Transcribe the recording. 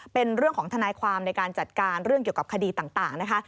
เป็นเรื่องของทนายความในการจัดการเรื่องเกี่ยวกับคดีต่างนะคะ